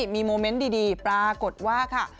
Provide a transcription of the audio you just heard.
มีโมเมนต์ดีปรากฏว่าค่ะ